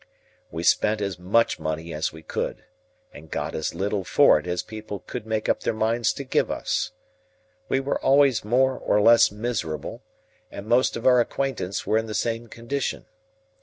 We spent as much money as we could, and got as little for it as people could make up their minds to give us. We were always more or less miserable, and most of our acquaintance were in the same condition.